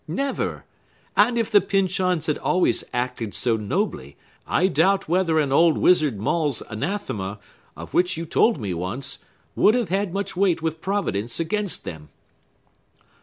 Never; and if the Pyncheons had always acted so nobly, I doubt whether an old wizard Maule's anathema, of which you told me once, would have had much weight with Providence against them."